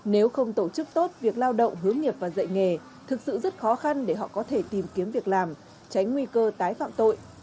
nếu không tổ chức tốt việc lao động hướng nghiệp và dạy nghề thực sự rất khó khăn để họ có thể tìm kiếm việc làm tránh nguy cơ tái phạm tội